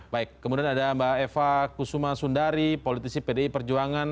baik kemudian ada mbak eva kusuma sundari politisi pdi perjuangan